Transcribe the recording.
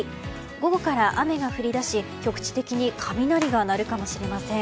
午後から雨が降りだし局地的に雷が鳴るかもしれません。